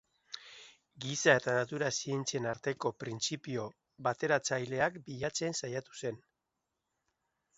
Giza eta natura zientzien arteko printzipio bateratzaileak bilatzen saiatu zen.